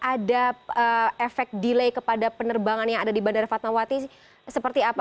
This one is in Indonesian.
ada efek delay kepada penerbangan yang ada di bandara fatmawati seperti apa